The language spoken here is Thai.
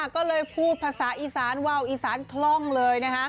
ก็เลยพูดภาษาอีสานวาวอีสานคล่องเลย